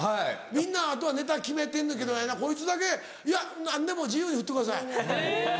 みんなあとはネタ決めてんのやけどなこいつだけ「いや何でも自由にふってください。